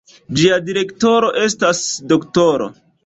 Ĝia direktoro estas D-ro.